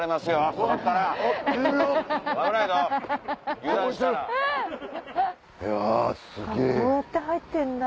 こうやって入ってんだ。